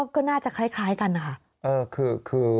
ก็น่าจะคล้ายกันนะคะ